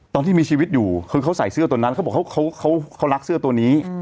ตอนที่มีชีวิตอยู่คือเขาใส่เสื้อตัวนั้นเขาบอกเขารักเสื้อตัวนี้